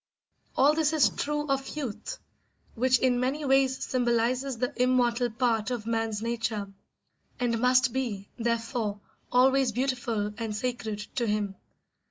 All this is true of youth, which in many ways symbolises the immortal part of man's nature, and must be, therefore, always beautiful and sacred to him.